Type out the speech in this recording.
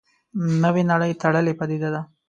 نوې نړۍ تړلې پدیده ده.